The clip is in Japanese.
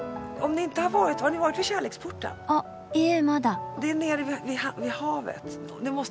あっいいえまだ。